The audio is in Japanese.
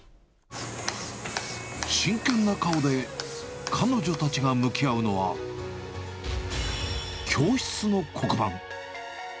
真剣な顔で彼女たちが向き合うのは、教室の黒板。